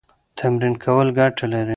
تمرین کول ګټه لري.